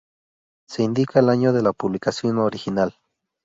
Se indica el año de la publicación original.